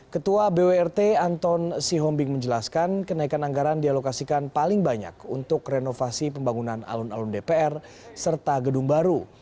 ketua bwrt anton sihombing menjelaskan kenaikan anggaran dialokasikan paling banyak untuk renovasi pembangunan alun alun dpr serta gedung baru